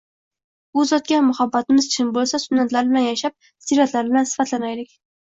U zotga muhabbatimiz chin bo‘lsa, sunnatlari bilan yashab, siyratlari bilan sifatlanaylik